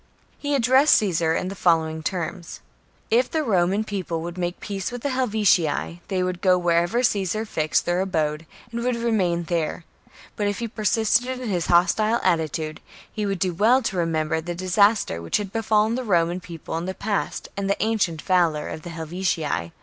He addressed Caesar in the following terms :— if the Roman People would make peace with the Helvetii, they would go wherever Caesar fixed their abode, and would remain there ; but if he persisted in his hostile attitude, he would do well to remember the disaster which had befallen the Roman People in the past and the ancient valour of the Helvetii.